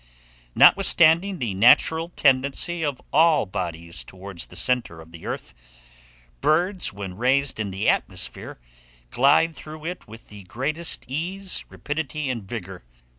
Notwithstanding the natural tendency of all bodies towards the centre of the earth, birds, when raised in the atmosphere, glide through it with the greatest ease, rapidity, and vigour.